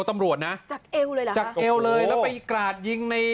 ตำรวจนะจากเอวเลยเหรอจากเอวเลยแล้วไปกราดยิงใน